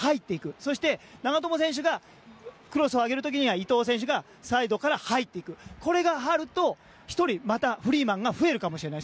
そして長友選手がクロスを上げる時には伊東選手がサイドから入っていくこれがあると１人、フリーマンが増えるかもしれない。